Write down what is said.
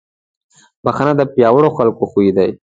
بښنه د پیاوړو خلکو خوی دی.